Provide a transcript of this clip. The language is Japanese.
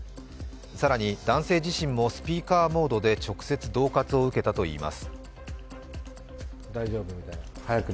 更に男性自身もスピーカーモードで直接どう喝を受けたといいます。